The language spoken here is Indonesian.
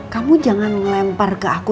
kamu jangan melempar ke aku